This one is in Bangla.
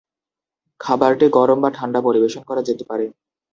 খাবারটি গরম বা ঠান্ডা পরিবেশন করা যেতে পারে।